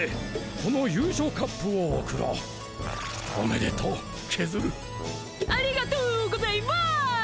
この優勝カップを贈ろうおめでとうケズルありがとぅーございまーす！